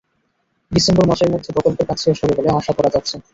December মাসের মধ্যে প্রকল্পের কাজ শেষ হবে বলে আশা করা যাচ্ছে।